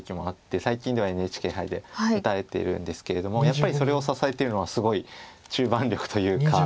最近ではＮＨＫ杯で打たれてるんですけれどもやっぱりそれを支えてるのはすごい中盤力というか。